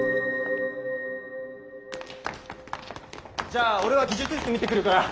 じゃあ俺は技術室見てくるから黒川は。